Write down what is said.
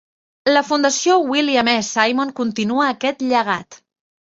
La fundació William E. Simon continua aquest llegat.